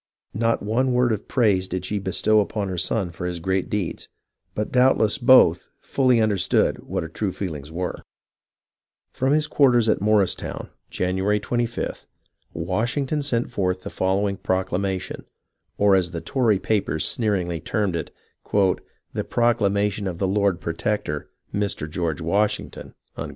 Not one word of praise did she bestow upon her son for his great deeds, but doubtless both fully understood what her true feelings were. 148 HISTORY OF THE AMERICAN REVOLUTION From his quarters at Morristown, January 25th, Wash ington sent forth the following proclamation, or as the Tory papers sneeringly termed it, " the proclamation of the Lord Protector, Mr. George Washington."